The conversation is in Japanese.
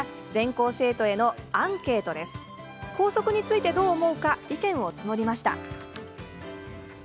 校則についてどう思うか意見を募りました。